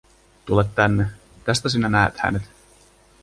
Tule tänne, tästä sinä näet hänet.